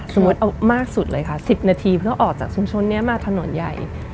สมมุติเอามากสุดเลยค่ะ๑๐นาทีเพื่อออกจากชุมชนนี้มาถนนใหญ่